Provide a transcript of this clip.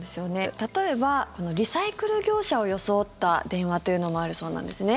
例えばリサイクル業者を装った電話というのもあるそうなんですね。